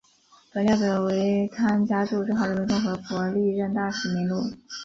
本列表为汤加驻中华人民共和国历任大使名录。